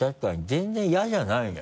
全然嫌じゃないね。